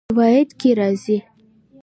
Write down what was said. روايت کي راځي :